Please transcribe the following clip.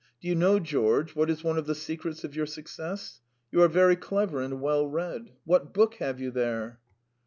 "Do you know, George, what is one of the secrets of your success? You are very clever and well read. What book have you there?"